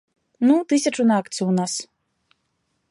Ну, тысячу на акцыю ў нас.